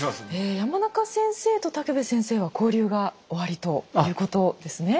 山中先生と武部先生は交流がおありということですね。